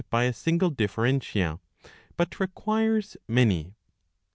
XXV by a single differentia, but requires many.